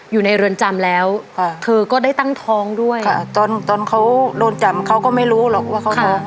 อยู่ในเรือนจำแล้วเธอก็ได้ตั้งท้องด้วยค่ะตอนตอนเขาโดนจำเขาก็ไม่รู้หรอกว่าเขาท้อง